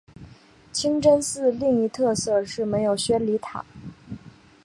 清真寺另一特色是没有宣礼塔。